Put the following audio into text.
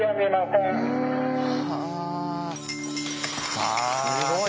はあすごい！